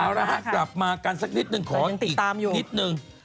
เอาละฮะกลับมากันสักนิดนึงขออีกนิดนึง